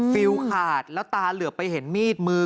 ฟิลขาดแล้วตาเหลือไปเห็นมีดมือ